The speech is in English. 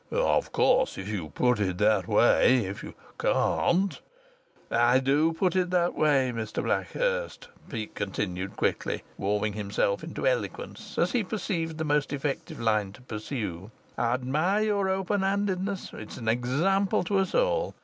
"Of course if you put it that way, if you can't " "I do put it that way, Mr Blackhurst," Peake continued quickly, warming himself into eloquence as he perceived the most effective line to pursue. "I admire your open handedness. It's an example to us all.